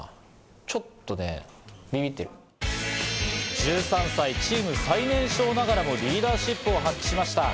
１３歳、チーム最年少ながらもリーダーシップを発揮しました。